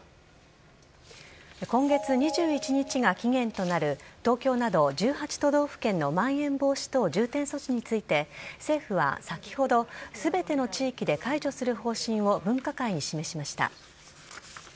今月２１日が期限となる東京など１８都道府県のまん延防止等重点措置について政府は先ほど全ての地域で解除する方針を分科会に示しました。